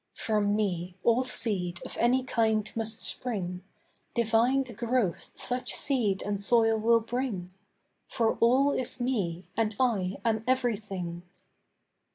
'From Me, all seed, of any kind must spring. Divine the growth such seed and soil will bring. For all is Me, and I am everything.